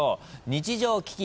日常危機。